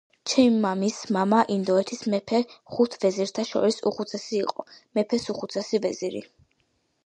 ჩემი მამის მამა ინდოეთის მეფის ხუთ ვეზირთა შორის უხუცესი იყო. მეფეს უხუცესი ვეზირი